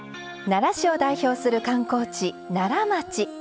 奈良市を代表する観光地奈良町。